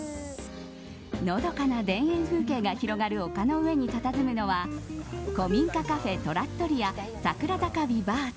のどかな田園風景が広がる丘の上にたたずむのは古民家カフェトラットリアさくら坂ＶＩＶＡＣＥ。